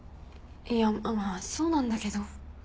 いやまあそうなんだけど。